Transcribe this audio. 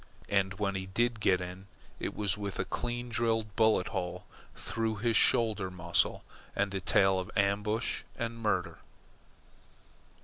And when he did get in, it was with a clean drilled bullet hole through his shoulder muscle, and a tale of ambush and murder.